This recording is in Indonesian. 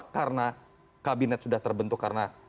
karena kabinet sudah terbentuk karena